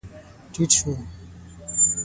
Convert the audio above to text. ټيټ شو.